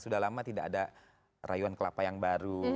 sudah lama tidak ada rayuan kelapa yang baru